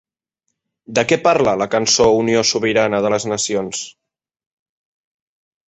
De què parla la cançó Unió Sobirana de les Nacions?